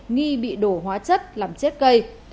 nghi bị đổ hóa chất làm chết cây